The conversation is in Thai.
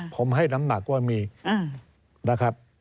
ผมให้น้ำหนักว่ามีนะครับ